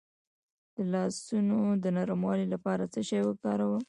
د لاسونو د نرموالي لپاره څه شی وکاروم؟